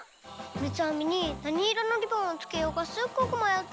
三つあみに何色のリボンをつけようかすっごくまよって。